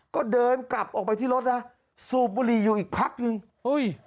ก็เดินกลับออกไปที่รถนะสูบบุหรี่อยู่อีกพักหนึ่งเฮ้ย